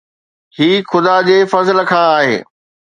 هي خدا جي فضل کان آهي.